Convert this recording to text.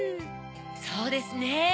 そうですね。